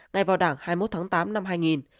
ngay vào đảng hai mươi một tháng tám năm hai nghìn